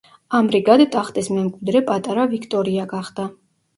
ამრიგად, ტახტის მემკვიდრე პატარა ვიქტორია გახდა.